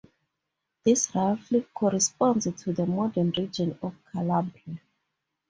This roughly corresponds to the modern region of Calabria.